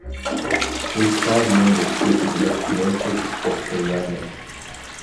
These five members featured the most commercially successful line-up.